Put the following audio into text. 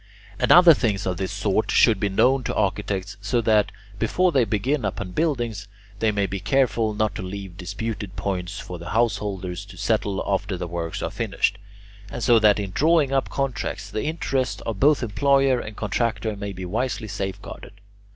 And other things of this sort should be known to architects, so that, before they begin upon buildings, they may be careful not to leave disputed points for the householders to settle after the works are finished, and so that in drawing up contracts the interests of both employer and contractor may be wisely safe guarded.